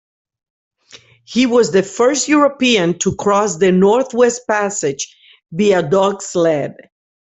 He was the first European to cross the Northwest Passage via dog sled.